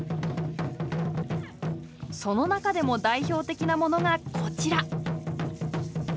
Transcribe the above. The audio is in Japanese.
その中でも代表的なものがこちら。